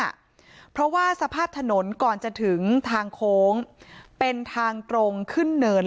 เพราะว่าสภาพถนนก่อนจะถึงทางโค้งเป็นทางตรงขึ้นเนิน